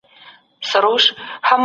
خپل مخ په پاکه تولیه سره وچ کړئ.